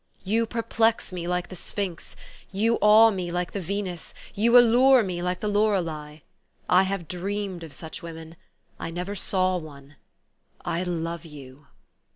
You perplex me like the Sphinx ; you awe me like the Venus ; you allure me like the Lorelei ! I have dreamed of such women. I never saw one. I love you!